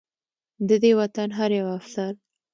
د دې وطن هر يو افسر